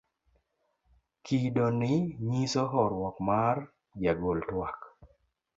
kido ni nyiso horuok mar jagol twak